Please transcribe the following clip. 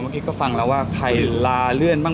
มีคนฟังเราว่าใครละเรื่องบ้าง